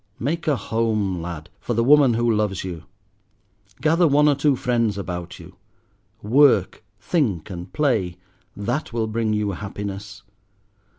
Make a home, lad, for the woman who loves you; gather one or two friends about you; work, think, and play, that will bring you happiness.